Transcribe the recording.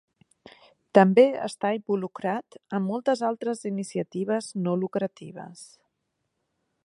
També està involucrat en moltes altres iniciatives no lucratives.